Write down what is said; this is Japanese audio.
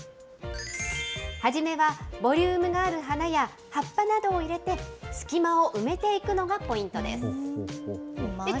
初めはボリュームがある花や葉っぱなどを入れて、隙間を埋めていくのがポイントです。